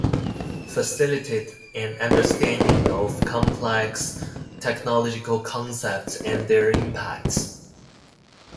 facilitate an understanding of complex technological concepts and their impacts.